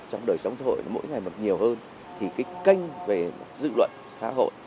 trong đời sống xã hội mỗi ngày mập nhiều hơn thì cái kênh về dự luận xã hội